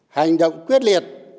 hành động quyết liệt